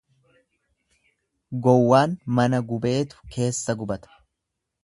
Gowwaan mana gubeetu keessa gubata.